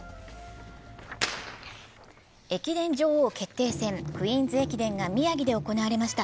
駅伝女王決定戦、クイーンズ駅伝が宮城で行われました。